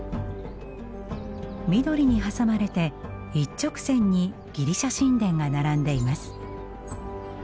緑に挟まれて一直線にギリシャ神殿が並んでいます。